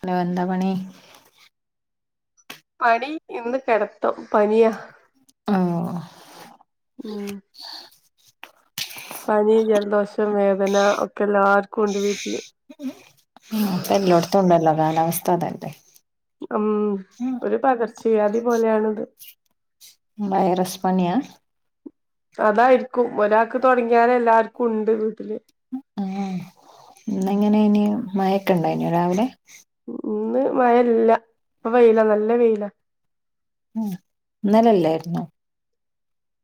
Hello എന്താ പണി മടി ഇന്ന് കെടത്തും പനിയ ഓ ഉം പനി ജലദോഷം വേദന ഒക്കെ എല്ലാ ആർക്കും ഉണ്ട് വീട്ടില് ഉ എല്ലോടത്തും ഉണ്ടല്ലോ കാലാവസ് തതെന്നെ ഉം ഒരു പകർ ചയാതിപോലെയാണിത് വൈറസ് പന്യാ അതായിരിക്കും ഒരാക്ക് തൊടങ്ങിയാല് എല്ലാർക്കും ഉണ്ട് വീട്ടില് ആഹ ഇന്നെങ്ങനെനി മയക്കെണ്ടായി നോ രാവിലെ ഉ ഇന്ന് മഴല്ല ഇപ്പ വെയിലാ നല്ല വെയിലാ ഉ ഇന്നലെല്ലായിരുന്നൊ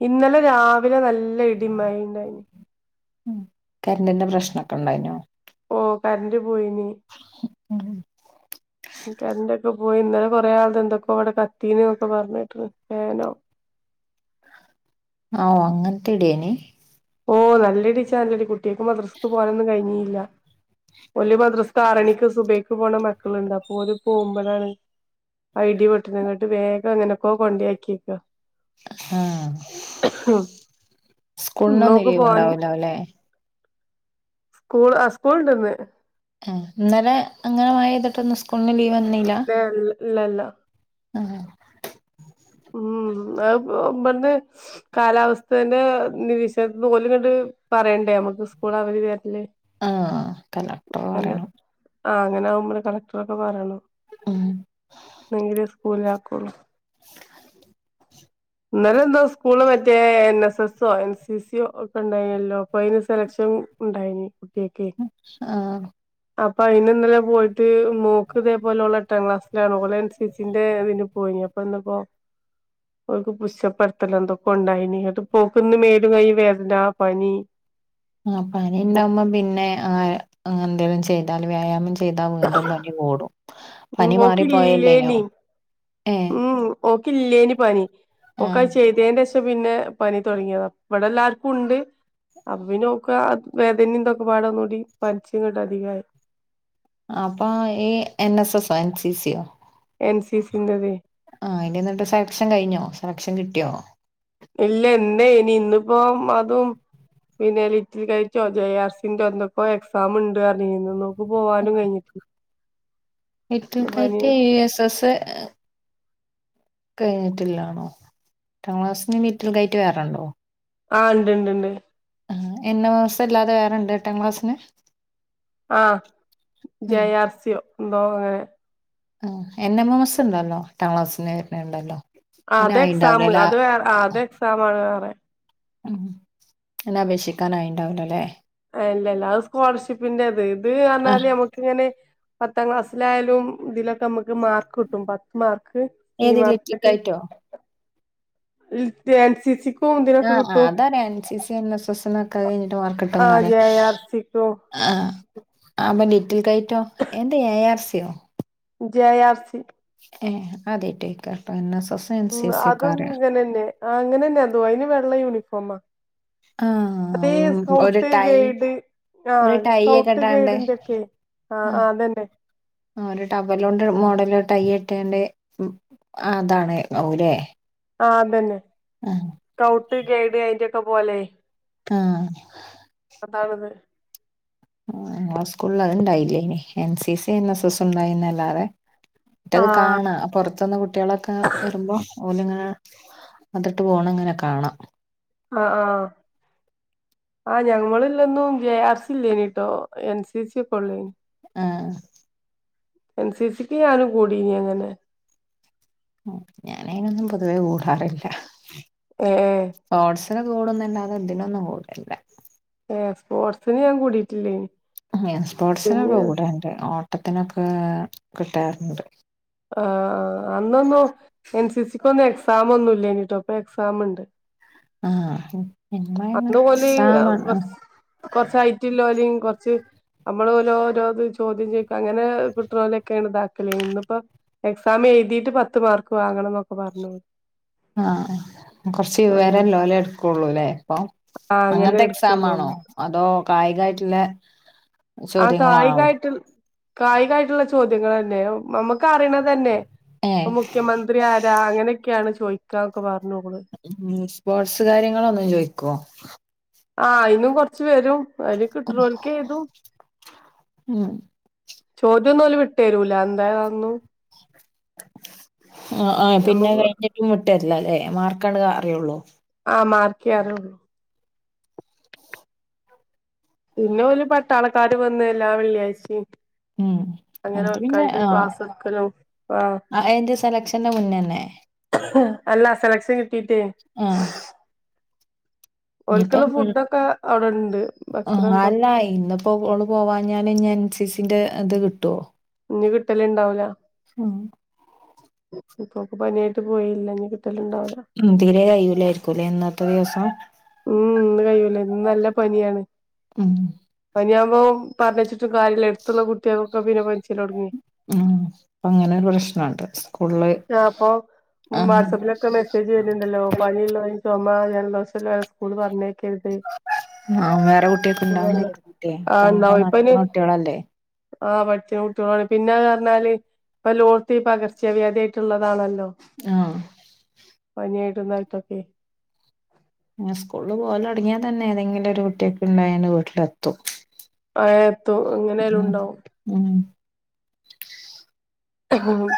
ഇന്നലെ രാവിലെ നല്ല ഇടിമയ്യും ഇണ്ടായിന് ഉ കരണ്ടിന്റെ പ്രശ്നക്കെ ഇണ്ടായിനോ ഓ കറണ്ട് പോയിനി ഉം [unintelligible] കരന്റെക്കെ പോയി ഇന്നലെ കൊറെ ആള്തന്തൊക്കോ അവിടെ കത്തീന്നൊക്കോപ ർഞ്ഞേട്ട്ണ് ഫേനോ ആ അങ്ങനത്തെ ഇടേ നി ഓ നല്ല ടീച്ചാല്കുട്ടിയേക്ക് മദ്രസ്ക്ക് പോകാനൊന്നും കഴിഞ്ഞില്ല ഒല് മദ്രസ് ആറണിക്ക് സുബൈക്ക് പോണ മക്കള്ണ്ട് അപ്പൊ ഒരു പോവുമ്പ യാണ് ആ ഇടി വെട്ട് ണെങ്ങട്ട് വേഗം എങ്ങനൊക്കെ കൊണ്ടാക്കിയക്ക ആഹ കുണോ [unintelligible] ഇന്നോക്ക് ലീവ് പോവാൻ ണ്ടാവലൗല്ലേ സ്കൂൾ ആ സ്കൂള്ണ്ട്ന്ന് ആ ഇന്നലെ അങ്ങനെ മയയ്ത്‌ട്ട് ഇന്ന് സ്കൂളിന് ലീവ് ല്ലഇല്ല ഇല്ല ആഹ [unintelligible] ഉം അഹ്‌പോഇമ്പട്ന്ന് [unintelligible] കാലാവസ്ഥന്റെ നിരീക്ഷർക്ക് ഓല് ങ്ങട്ട് പറയണ്ടേ നമ്മുക്ക് സ്കൂൾ അവധി തരല് ആഹ കളക്ടർ പറയണം ആഹ അങ്ങനെ ആ കുമ്പോ കളക്ടറ ഒക്കെ പറണം ഉം ന്നങ്കിലെ പോല കൊള [unintelligible] ഇന്നലെ എന്തോ സ്കൂള് മറ്റേ എൻ എസ് എസ് ഓ എൻ സി സി ഓ ഒക്കെ ഉണ്ടായിനല്ലോ അപ്പൊ അതിന് സെലക്ഷൻഉണ്ടായി നി ആഹ അപ്പൊ അയിന് ഇന്നലെ പോയിട്ട് മോക്ക്തേ പോലു ലെ ഓള് എട്ടാം ക്ലാസിലാണ് ഓള് എൻ സി സി ന്റെ ഇതിന് പോയി അപ്പ പ്പോ ഓക്ക് പുഷപ്പ് നടത്തല് എന്തൊക്കെ ഉണ്ടായി ങ്ങട്ട് ഓക്ന്ന് മേലും കൈയ്യും വേദന പനി ആ പനി ണ്ടാവുമ്പോ പിന്നെ ആ എന്തെങ്കലും ചെയ്താൽ വ്യായാമം ചെയ്താ വീണ്ടും പനി കൂടും ഉം പനി മാറിപ്പോയല്ലേനോ ഓക്കില്ലേനി ഏ കിലേനി പനി ഓക്ക് ചെയ്ത ന്റെ ശം പിന്നെ പനി തുടങ്ങിയതഇവിടെ എല്ലാർക്കും ഉണ്ട് അപ്പൊ പിന്നെ ഓക്ക് വേദനിന്തൊക്കെ പാടെന്നൂടി പനിച്ങ്ങ്ട്ട് അധികായി അപ്പൊ ഈ എൻ എസ് എസോ എൻ സി സോ എൻ സി സി ൻ്റെദ് ആ അനി എന്നിട്ട് സെലക്ഷൻ കഴിഞ്ഞോ സെലക്ഷൻ കിട്ടിയോ ഇല്ല എന്താ ഇനി ഇന്നിപ്പോ അതും പിന്നെ ലിറ്റിൽ കഴിച്ചോ ജെ ആർസിന്റെ എന്തൊക്കോ എക്സാാം ഉണ്ട് പറഞ്ഞ ഇന്ന് നോക്ക്ി പോവാനും കഴിഞ്ഞിട്ട് little kite U S S കഴിഞ്ഞിട്ടില്ലാ [unintelligible] എന്ന് ആണോ ആഹ ഉണ്ട്ണ്ട് ഉണ്ട് എന്ന മാസം അല്ലാതെ വേറെണ്ട് എട്ടാം ക്ലാസിന് ആഹ ജയ ആർ സിയോ എന്തോ [unintelligible] ആ എന്റെ മോ മസ് ഉണ്ടല്ലോ എട്ടാം ക്ലാസ്സിന്റെ പേരിന ഉണ്ടല്ലോ ആത് എക്സാം അത് വേറെ അത് എക്സാ ആണ് വേറെ അതിൽഅപേക്ഷിക്കാന ആയിണ്ടാവലോല്ലേ ഇല്ല ഇല്ല അത് സ്കോളർഷിപ്പിന്റെത് ഇത് ആഹ് പറഞ്ഞാല് നമക്ക് ഇങ്ങനെ- പത്താം ക്ലാസ്സിലായാലും ഇതിലൊക്കെ നമുക്ക്- ത് മാർക്ക് കിട്ടും പത്ത് മാർക്ക് സി ഏത് മാർക്ക് ലിറ്റിൽ ആയിട്ട്- കൈറ്റോ [unintelligible] എൻസിസി ക്ക് - ആ അതറിയാം N C C N S S എന്നൊക്കെഅത് കഴിഞ്ഞിട്ട് മാർക്ക് കിട്ടും ആ എന്നറിയാം ജെ ആർ സിക്കും അവനിക്- [inaudible] [unintelligible] എന്ത് ക്കോ [unintelligible] ജെ ആർസി ഏ ആദ്യ ആയിട്ട് കേക്ക ഉ അതും ഇങ്ങനെന്നെ അങ്ങനെ തന്നെയ അതു അയിന് വെള്ള യൂണിഫോമാ ആ അതേ ഉം, ഒരു സ്കൗട്ട് ടൈ ഗൈഡ് ആ ഒരു ടൈ ഒക്കെ സ്കൗട്ട് ഇട്ടാണ്ട് ഗൈഡിന്റെ ഒക്കെ ആ ആ അത് ത ന്നെ ആ ഒരു ടവ്വൽ ഒണ്ട് മോഡൽ ടൈ കെട്ടി അത് അവുലേ ആ അതന്നെ സ്കൗട്ട് ഗൈഡ് അയിന്റ പോലേ ആഹ് അതാണത് ആ സ്കൂളിൽ അത് ഇണ്ടായില്ലേ ഇനി എൻ സി എസി എൻ എസ് എസ് ഉണ്ടായിന്നല്ലാതെ മറ്റേത് ആഹ് കാണാ പുറത്തുന്ന് കുട്ടികളൊക്കെ വരുമ്പോ ഓലങ്ങന- അതിട്ട് പോണം ഇങ്ങനെ കാണാം ആഹ് ആഹ് ആ ഞങ്ങൾല്ലൊന്നും ജെ ആർ സി ഇല്ലേനിട്ടോ എൻ സി സി ഒക്കെ ഉള്ളേനി- ആഹ എൻസി സിക്ക് ഞാനും കൂടനി അങ്ങനെ ഞാൻ അതിനൊന്നും പൊതുവേ കൂടാറില്ല ഉം ഉം [unintelligible] കൂടന്നന്ന അത് ഇതിനൊന്നും കൂടില്ലാ. ഏഹ് സ്പോർട്സിന് ഞാൻ കൂടിയിട്ടില്ലേനി. പിന്നെ സ്പോർട്സിനൊക്കെ കൂടണ്ട് ഓ ട്ടത്തിനൊക്കെ കിട്ടാറുണ്ട്. ആഹ് ആഹ് അന്നൊന്നും എൻ സി സി ക്കൊന്നും എക്സാം ഒന്നുല്ലെനിട്ടോ എക്സാം ഉണ്ട്. ആഹ് ഞമ്മളങ്ങനെ അതുപോലെ എക്സാം കൊറച്ച് ഹെയ്റ്റ് ഉള്ളോലിൻ കുറച്ച് നമ്മൾ ഓരോ ഓരോത് ചോദ്യം ചോദിക്കും അങ്ങനെ കിട്ടണ പോലൊക്കെയാണ് ബാക്കില് ഇന്നിപ്പോ എക്സാം എഴുതിയിട്ട് പത്ത് മാർക്ക് വാങ്ങണം എന്നൊക്കെ പറഞ്ഞോര്. ആഹ് കൊറച്ച് അങ്ങനെ വിവരില്ലോലേ എടുക്കുള്ളൂല്ലേ അപ്പോ? ആഹ് അങ്ങനെ അങ്ങനത്തെ എക്സാമാണോ എടുക്കുള്ളൂന്ന് അതോ കായിക ആയിട്ടുള്ള ആ കായികമായിട്ടുള്ള കായികായിട്ടുള്ള ചോദ്യങ്ങൾ തന്നെ നമുക്ക് അറിയണത് തന്നെ ഇപ്പ ഏഹ് മുഖ്യമന്ത്രി ആരാ അങ്ങനെ ഒക്കെയാണ് ചോദാക്കെ പറഞ്ഞ ഉ സ്പോർട്സ് കാര്യങ്ങള ഒന്നും ചോയ്ക്കുവോ ആഹ് ഇന്നും കൊറച്ച് വരും അതിന് കിട്ടലക്കെ ഏതു ഉം ചോദ്യംന്നുംല് വിട്ടേരൂല എന്തായതാന്നു ആ ആ പിന്നെ നമുക്ക് കഴിഞ്ഞിട്ട് കിട്ടല്ല അല്ലേ മാർക്കാണ് അറിയുള്ളൂ ആ മാർക്ക അറിയുള്ളു പിന്നെ ഒരു പട്ടാളക്കാര് വന്ന എല്ലാം വെള്ളിയാഴ്ചയും ഉ അങ്ങനെ പിന്നെ ഓൽക്കായിട്ട് ക്ലാസ് എടുക്കലും ആഹ് ആ എന്റെ സെലക്ഷന്റെ മുന്നന്നെ അല്ല സെലക്ഷൻ കിട്ടീട്ടേ ആഹ ഇന്നിപ്പോ ഓൽക്കുള്ള ഫുഡൊക്കെ അവിടെണ്ട് ആ ഭക്ഷണം എന്തോ അല്ല ഇന്നപ്പോഓള് പോവാഞ്ഞഞൻ ഞൻ സി സി ഇന്റി അതു കിട്ടോ ഇഞ് കിട്ടല ഇണ്ടാവല ഇപ്പൊക്കെ പനിയായിട്ട് പോയില്ല എനി തീരെ കഴൂലായിരിക്കുംല്ലേ ഇന്നത്തെ ദിവസം ഉം ഒന്ന് കഴൂലേ ഇ നല്ല പനിയാണ് ഉം പനി ആകുമ്പോൾ പറഞ്ഞച്ചിട്ടും കാര്യ എടു മറ്റുള്ള കുട്ടിയൾകോക്ക പിന്നെ പനിച്ചൽ തോടെങ്ങി ഉം അങ്ങനോരു പ്രശ്നം സ്കൂളിൽ ആഹ് അപ്പൊ ആ ഉം വാട്സപ്പിലൊക്കെ [inaudible] സന്തോഷം അല്ലെ സ്ക്കൂൾക്കു പറഞ്ഞെ ആ വെറെ കുട്ടിയോൾക്ക് ഉണ്ടോ [inaudible] ഒകെ അങ്ങനെ നടക്കുന്ന കുട്ടികളല്ലെ ആ പഠിച്ച കുട്ടികളാണ് പിന്നാന്ന് പറഞ്ഞാല് ഇപ്പ ലോകത്തി പകർച്ച വ്യയാതിട്ട്ള്ളതാണല്ലോ ഉം ആഹ് പനിയായി തിന്നയിട്ടോക്കെ സ്കൂളിൽ പോവൽ തുടങ്ങിയാ തന്നെ ഏതെങ്കിലും ഒരു കുട്ടിയക്ക് ഉണ്ടായന്ന വീട്ടിലെത്തും ആ എത്തു എങ്ങനായാലും ഉം ഉണ്ടാവും ഉം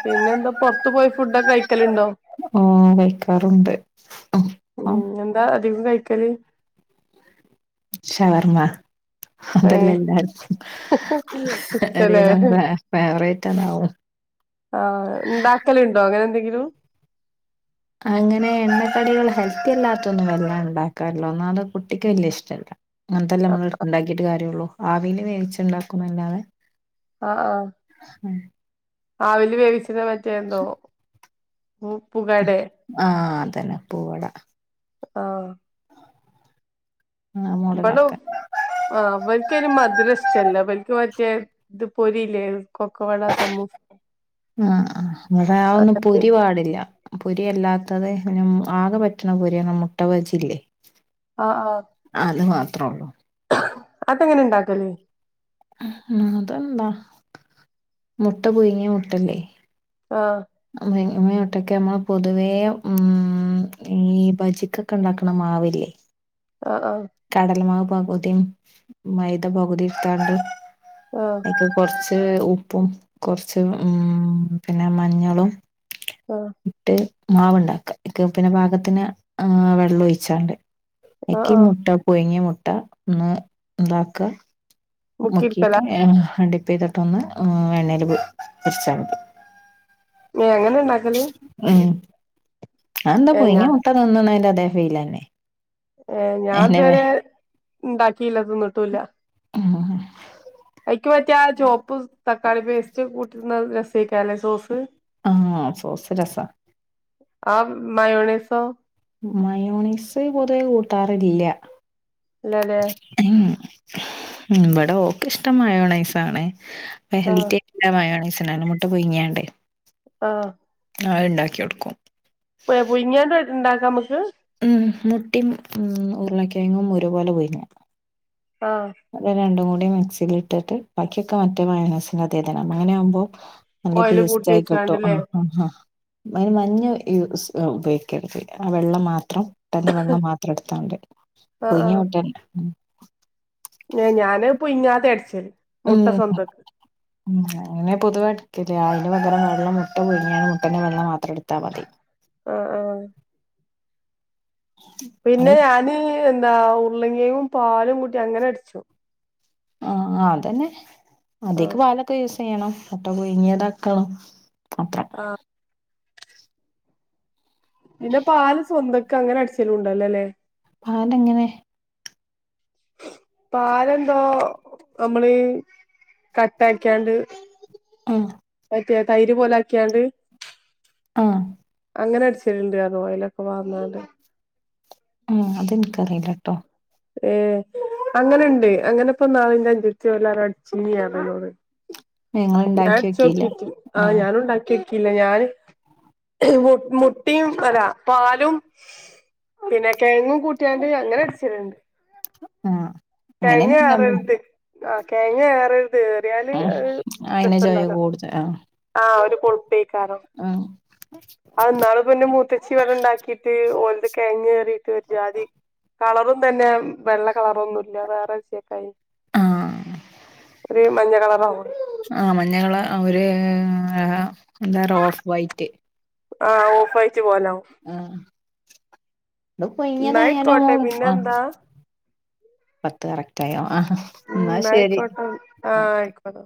പിന്നെ എന്താ പൊറത്ത് പോയി ഫുഡൊക്കെ കഴിക്കലുണ്ടോ ഓ വെക്കാറുണ്ട് അ ആ ധികും കഴിക്കല് ഷവർമ്മ അതല്ലെ ഏഹ് എല്ലാർക്കും ഇഷ്ടല്ലേ ഒരുവിതം ഫേ ഫെവ റൈ റ്റ [unintelligible] ആ ഉണ്ടാക്കലുണ്ടോ അങ്ങനെ എന്തെങ്കി ലും അങ്ങനെ എണ്ണക്കടികൾ ഹെൽത്തി അല്ലാത്തോന്നും വല്ലാണ്ട് ഉണ്ടാക്കാറില്ല ഒന്നാമത് കുട്ടിക്ക് വല്ലിയ ഇഷ്ട്ടല്ല അങ്ങൻത്തല്ലെ ആഹ് നമ്മൾ ഇണ്ടാക്കീട്ട് കാര്യൊള്ളൂ ആവീൽ വേവിച്ച് ഉണ്ടാക്കും ന്ന ല്ലാതെ അ ആ ആവിൽ വേവി ച്ച്ണ മറ്റേ എന്തോ പുകടെ ആ അതെ ദന്നെ പ്പൂവട ആ ആ ഇവളും മോഡലൊക്കെ ആ ഇവൽക്കയിന് മതുരം ഇഷ്ടല്ല ഇവല്ക്ക് മറ്റെ ഇത് പൊരില്ലെ ആ ആ ഇവടെ ആ ഒന്നും അതൊക്കെ പൊരി പാടില്ല പൊരിയല്ലാത്തതെ പിന്ന മ് ആകെ പറ്റണ പൊരിയാണ് മുട്ടവജില്ലെ അ ആ ത്രള്ളൂ അതെങ്ങനെ ഇണ്ടാക്കല് അതെന്താ മുട്ട പുയുങ്ങിയ മുട്ടല്ലേ ആ [unintelligible] നമ്മൾ പോതുവെ ഉം ഈ ഭജിക്കോക്കെ ഉണ്ടാക്ണ മാവില്ലെ ആഹ് ആഹ് കടലമാവ് പകുതിം മൈത പകുതിം ഇട്ത്താണ്ട് ആഹ് ക്കെ കൊർച് ക്ക് ഉപ്പും കൊർച്ച് ഉം പിന്നെ മഞ്ഞളും ആഹ് ഇട്ട് മാവ്ണ്ടാക്ക അയ് ക്ക് പിന്നെ പാകത്തിന് ആ വെള്ളം ഒഴിച്ചാണ്ട് ആഹ് അയ്ക്ക് ആഹ് മുട്ടാ പുയുങ്യ മു ട്ട ഒന്ന് ഇതാക്ക മുക്കിട്ട് മുക്കിട്ക്കലാ ഏഹ് [unintelligible] പ്പ യ്തിട്ട് ഒന്ന് എണ്ണേല് പൊരിച്ചാൽ മതി എങ്ങനെ ഉണ്ടാക്കല്? അയെന്താ പുയുങ്ങിയ തിന്നുന്നേന്റെ ഫീലന്നെ. ഏഹ് ഞാൻ ഇതുവരെ ഇണ്ടാക്കിയില്ല തിന്നിട്ടുല്ല. ആഹ് അയ്ക്ക് പറ്റിയ ആ ചോപ്പ് തക്കാളി പേസ്റ്റ് കൂട്ടി [unintelligible] ആഹ് സോസ്‌ രസാ ആഹ്, മയൂണസോ? മയോണെസ് പൊതുവെ കൂട്ടാറില്യ ഇല്ലല്ലേ മ്ഹ് ഇവിടെ ഓക്ക് ഇഷ്ടം മയോണൈസ്‌ ആണെ ആഹ് [unintelligible] മയോണൈസ്‌ [unintelligible] മുട്ട പുഴുങ്ങിയാണ്ട്. ആഹ് അത് ഇണ്ടാക്കി കൊടുക്കും ഉണ്ടാക്കാം നമുക്ക് ഉം മുട്ടിയും ഉം ഉരുളക്കെഴങ്ങും ഒരുപോലെ [unintelligible] ആഹ് അത് രണ്ടും [unintelligible] [unintelligible] മിക്സില് ഇട്ടിട്ട് ബാക്കിയൊക്ക മറ്റേ മായോണൈസ്‌ അതെ ഇത് തന്നെയാണ് അങ്ങനെ ആകുമ്പോ നല്ല ഓയില് കൂട്ടി പേസ്റ്റ് ആയി ക്കിട്ടും വെച്ചാണ്ട്ല്ലേ ആഹ് ആഹ് ഹ അതിന് മഞ്ഞ ഉപയോഗിക്കരുത്. ആ വെള്ളം മാത്രം [unintelligible] വെള്ള മാത്രം എടുത്താ മതി. പുഴുങ്ങിയ മുട്ടേ മ്ഹ് ഏ ഞാന് പുയ്ങ്ങാ തെട്ച്ചല് ഉം ഉം അങ്ങനെ പൊതുവെട്ക്കല് അയ്ന് പകരം വെള്ള മുട്ട പുയ്ങ്ങാണ്ട് മുട്ടൻ്റെ വെള്ള മാ ത്രട്ത്താ മതി. ആഹ് ആഹ് അ പിന്നെ ഞാന് എ ന്താ ഉർളക്കിഴങ്ങും പാലും കുട്ടി അങ്ങനട്ച്ചും. ആഹ് അതെന്നെ അതിക്ക് ആഹ് പാലൊക്കെ യൂസ് ചെയ്യണം മുട്ട പുഴ്ങ്ങിതാക്കണം. അത്രേ ആഹ് പിന്നെ പാല് സ്വന്തക്ക് അങ്ങനട്ച്ചലുണ്ടല്ലോ ല്ലെ പാലെങ്ങനെ പാലെന്തോ നമ്മള് കട്ടാക്കിയാണ്ട് ആ തൈര് പോലെ ആക്കിയാണ്ട് ആഹ് അങ്ങനെ അടിച്ചിടൽണ്ട്റ്ന് ഞ്ഞ് ഓയലൊക്കെ പാർന്നാണ്ട് ആ അത്ൻക്കറീല്ലട്ടോ ഏ അങ്ങനെണ്ട് അങ്ങനെപ്പോ ഞാനും അഞ്ചത്തിയെല്ലാരും അടിച്ചിനി അറിഞ്ഞ്ന്നോട് ഞങ്ങൾ ഉണ്ടാക്കി നോക്കിയില്ല ഞാടചോക്കിട്ടി ആ ആഹ് ഞാനു ഇണ്ടാക്കിയോക്കി ഇല്ല ഞാൻ മു മുട്ടും അല്ല പാലും പിന്നെ കെഴങ്ങും കൂട്ടിയാണ്ട് അങ്ങനെ അട്ല്ണ്ട് ആ തേങ്ങ അററ്ത് ആ കയ്ഞ്ഞ ഏറ് റിയാല് ആഹ് അത് അയിന് ചൊയ രസണ്ടാവൂല കൂടുതൽ ആഹ് ആ ഒര് കൊപ്പേ ആഹ് അഹ് ന്നാള്പ്പന്റെ മൂത്തച്ചി ഇവടെ ണ്ടാക്കിട്ട് ഓ കെയങ്ങേറീട്ട് ഒര്ജാതി കളറും തന്നെ വെള്ള കളറൊന്നു ഇല്ലെ വേറെര്ച്ചേക്കായി ആഹ് ഒരു മഞ്ഞ കളറ ആവു ഏ എന്താ ഒര് ഓഫ് വൈറ്റ് ആ ഓഫൈ റ്റ് പോലാവും ആഹ് അത് ഇന്നാ അയിക്കോട്ടെ പയ്ങ്ങതായാലും ആ പിന്നെന്താ പത്ത് കറക്റ്റായോ ആ ഉം ന്നായ്ക്കോട്ടെ ആ ഓക്കെ അയ്ക്കോട്ടെ